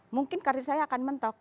mungkin karir saya akan mentok